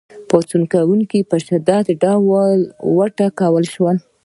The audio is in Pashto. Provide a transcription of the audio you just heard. پاڅون کوونکي په شدید ډول وټکول شول.